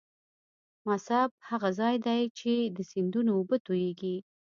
مصب هغه ځاي دې چې د سیندونو اوبه تویږي.